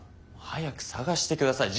早く捜して下さい。